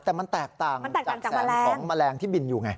แต่มันแตกต่างจากแสงของแมลงที่บินอยู่ไง